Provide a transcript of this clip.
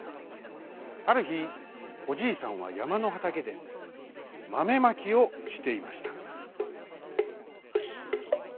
あるひおじいさんはやまのはたけでマメまきをしていました。